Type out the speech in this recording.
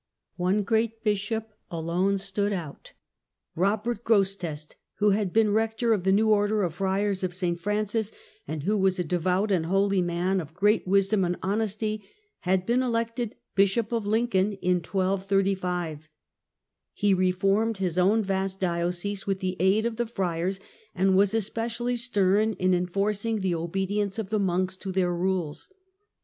One great bishop alone stood Robert out. Robert Grosseteste, who had been Gro»»ete8te. rector of the new order of friars of S. Francis, and who was a devout and holy man, of great wisdom and honesty, had been elected Bishop of Lincoln in 1 235. He reformed his own vast diocese, with the aid of the friars, and was especially stern in enforcing the obedience of the monks to their rules.